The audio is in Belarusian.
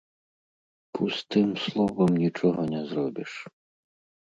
Пустым словам нічога не зробіш.